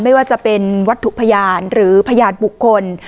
ไม่ว่าจะเป็นวัตถุพยานหรือพยานบุคคล